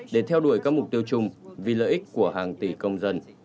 để theo đuổi các mục tiêu chung vì lợi ích của hàng tỷ công dân